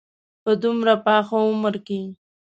په دومره پاخه عمر کې.